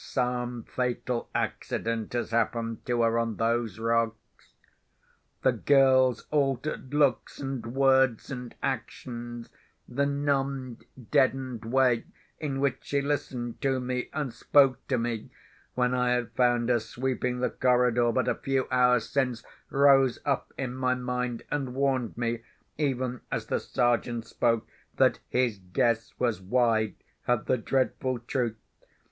"Some fatal accident has happened to her on those rocks." The girl's altered looks, and words, and actions—the numbed, deadened way in which she listened to me, and spoke to me—when I had found her sweeping the corridor but a few hours since, rose up in my mind, and warned me, even as the Sergeant spoke, that his guess was wide of the dreadful truth.